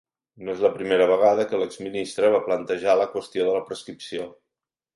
No és la primera vegada que l'exministre va plantejar la qüestió de la prescripció.